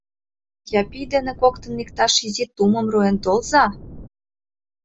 Япий дене коктын иктаж изи тумым руэн толза!